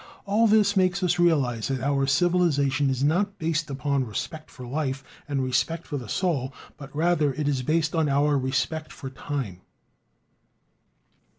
All this makes us realize that our civilization is not based upon "respect for life" and "respect for the soul," but rather is it based upon "respect for time."